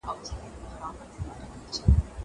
زه اوس سبا ته پلان جوړوم!!